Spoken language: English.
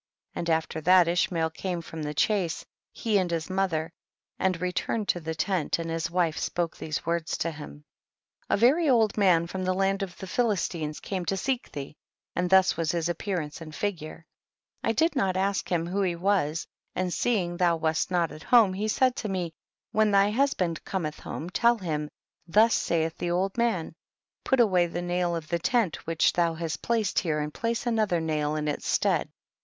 33. And after that Ishmael come from the chase, he and his mother, and returned to the tent, and his wife spoke these words to him. 34. A very old man from the land of the Philistines came to seek thee, and thus was his appearance and figure ; I did not ask him who he was, and seeing thou wast not at home he said to me, when they hus band Cometh home tell him, thus saith the old man, put away the nail of the tent which thou hast placed here and place another nail in its stead.